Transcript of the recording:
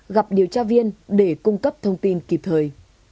gặp điều tra viên để cung cấp thông tin kịp thời